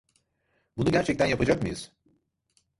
Bunu gerçekten yapacak mıyız?